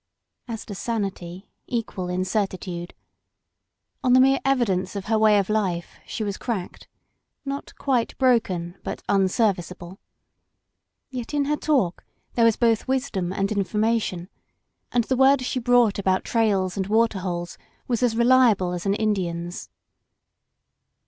As to sanity, equal in certitude, On the mere evidence pf hex way of 193 THE WALKING WOMAN life she was cracked; not qmte broken, but un serviceable. Yet in her talk there was both wisdom and information, and the word she brought about trails and water holes was as reliable as an Indian's.